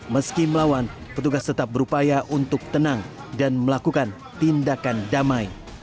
meski melawan petugas tetap berupaya untuk tenang dan melakukan tindakan damai